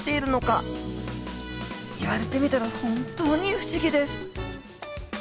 言われてみたら本当に不思議です。